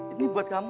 ini buat kamu